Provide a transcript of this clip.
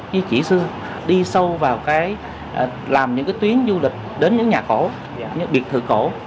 như chỉ xưa đi sâu vào cái làm những cái tuyến du lịch đến những nhà cổ những biệt thự cổ